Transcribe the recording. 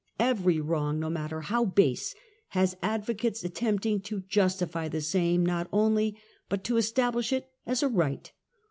Every wrong, / no matter how base, has advocates attempting to ! justify the same not only, but to establish it as a ^ right.